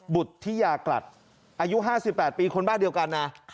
บุธิยากลัดอายุ๕๘ปีคนบ้านเดียวกันนะ